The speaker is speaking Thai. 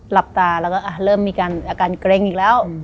หลับตาแล้วก็เริ่มมีอาการเกร็งอีกแล้ว